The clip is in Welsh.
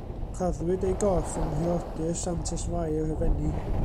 Claddwyd ei gorff ym Mhriordy'r Santes Fair, y Fenni.